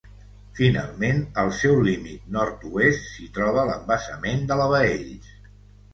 Finalment, al seu límit nord-oest, s'hi troba l’embassament de la Baells.